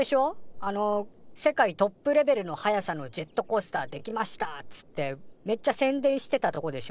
あの世界トップレベルの速さのジェットコースターできましたっつってめっちゃ宣伝してたとこでしょ。